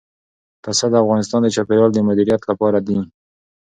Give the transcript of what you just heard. پسه د افغانستان د چاپیریال د مدیریت لپاره دي.